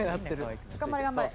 頑張れ頑張れ。